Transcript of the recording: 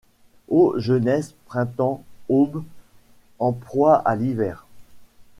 Ô jeunesse! printemps ! aube ! en proie à l’hiver !